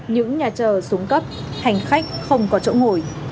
những nhà chờ xuống cấp hành khách không có chỗ ngồi